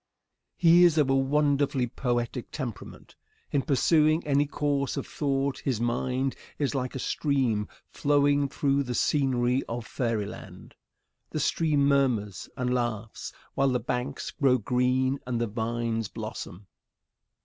Question. What is his forte? Answer. He is of a wonderfully poetic temperament. In pursuing any course of thought his mind is like a stream flowing through the scenery of fairyland. The stream murmurs and laughs while the banks grow green and the vines blossom.